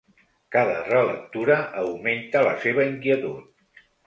Cada relectura augmenta la seva inquietud.